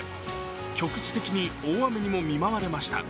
局地的に大雨にも見舞われました。